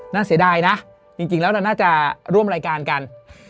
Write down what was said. เสียดายนะจริงแล้วเราน่าจะร่วมรายการกัน